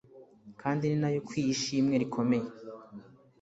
kandi ninayo ikwiye ishimwe rikomeye,